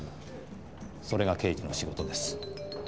それが刑事の仕事です。